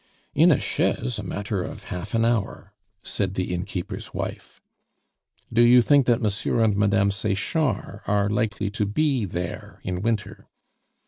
"In a chaise, a matter of half an hour," said the innkeeper's wife. "Do you think that Monsieur and Madame Sechard are likely to be there in winter?"